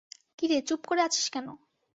কি রে, চুপ করে আছিস কেন?